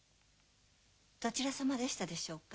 どちら様でしたでしょうか？